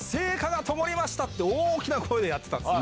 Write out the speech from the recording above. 大きな声でやってたんです。